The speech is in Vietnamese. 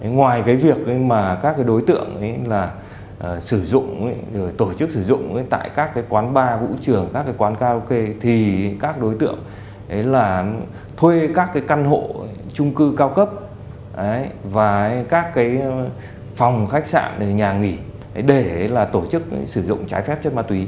ngoài cái việc mà các cái đối tượng sử dụng tổ chức sử dụng tại các cái quán bar vũ trường các cái quán karaoke thì các đối tượng là thuê các cái căn hộ trung cư cao cấp và các cái phòng khách sạn nhà nghỉ để là tổ chức sử dụng trái phép chất ma túy